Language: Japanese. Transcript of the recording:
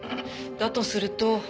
だとすると。